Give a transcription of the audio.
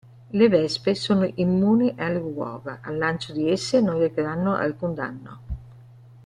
Le Vespe sono immuni alle uova, al lancio di esse non recheranno alcun danno.